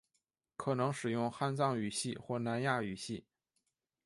可能使用汉藏语系或南亚语系。